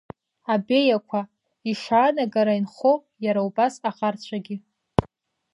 Абеиақәа, ишаанагара инхо, иара убас аӷарцәагьы.